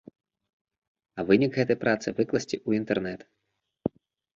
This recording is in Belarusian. А вынік гэтай працы выкласці ў інтэрнет.